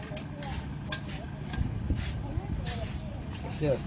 คนเดี๋ยว